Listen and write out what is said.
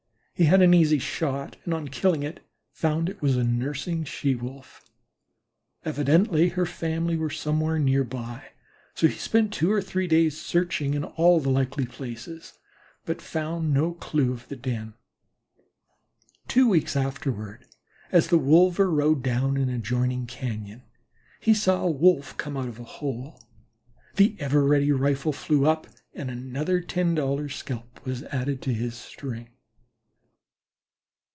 He had an easy shot, and on killing it found it was a nursing She wolf. Evidently her family were somewhere near, so he spent two or three days searching in all the likely places, but found no clue to the den. Two weeks afterward, as the wolver rode down an adjoining cañon, he saw a Wolf come out of a hole. The ever ready rifle flew up, and another ten dollar scalp was added to his string.